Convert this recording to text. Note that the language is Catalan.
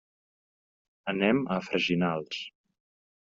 Anem a Freginals.